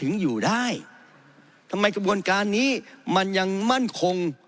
ถึงอยู่ได้ทำไมกระบวนการนี้มันยังมั่นคง